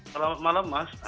selamat malam mas